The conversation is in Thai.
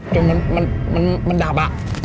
คือมันดับ